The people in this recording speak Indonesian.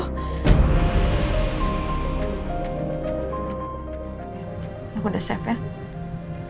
aku udah save ya